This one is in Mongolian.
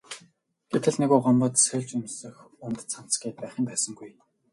Гэтэл нөгөө Гомбод сольж өмсөх өмд цамц гээд байх юм байсангүй.